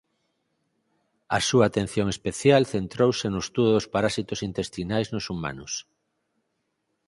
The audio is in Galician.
A súa atención especial centrouse no estudo dos parasitos intestinais nos humanos.